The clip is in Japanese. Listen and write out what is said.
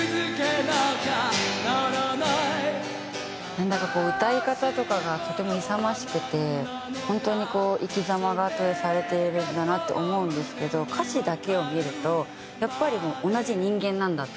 なんだかこう歌い方とかがとても勇ましくて本当に生き様が投影されているんだなって思うんですけど歌詞だけを見るとやっぱりもう同じ人間なんだっていう。